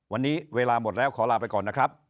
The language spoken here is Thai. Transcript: วันนี้เวลาหมดแล้วขอลาไปก่อนนะครับ